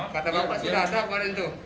kata bapak sudah ada apaan itu